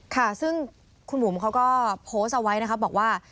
ค่ะซึ่งคุณบุ๋มเขาก็โพสต์เอาไว้นะครับบอกว่า